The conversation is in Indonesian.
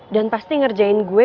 dan pasti ngerjain gue